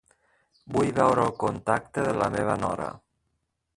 Vull veure el contacte de la meva nora.